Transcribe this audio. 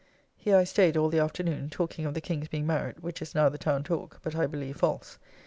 Here I staid all the afternoon talking of the King's being married, which is now the town talk, but I believe false.